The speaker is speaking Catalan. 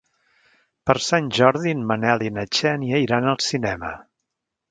Per Sant Jordi en Manel i na Xènia iran al cinema.